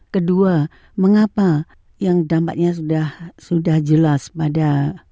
kedua mengapa yang dampaknya sudah jelas pada